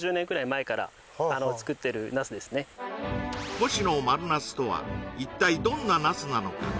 越の丸茄子とは一体どんなナスなのか？